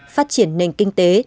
phát triển nền kinh tế